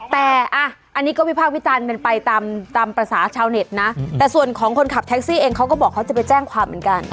แต่อันนี้ก็วิพากษ์วิจารณ์เป็นไปตามภาษาชาวเน็ตนะแต่ส่วนของคนขับแท็กซี่เองเขาก็บอกเขาจะไปแจ้งความเหมือนกัน